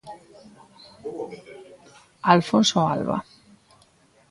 Alfonso Alba.